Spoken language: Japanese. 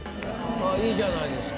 あっ良いじゃないですか。